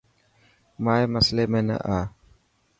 مائي مسلي ۾ نا آءِ.